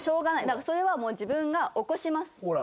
だからそれはもう自分が起こします。